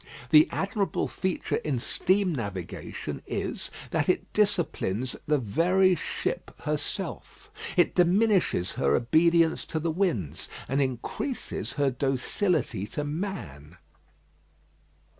The admirable feature in steam navigation is, that it disciplines the very ship herself. It diminishes her obedience to the winds, and increases her docility to man.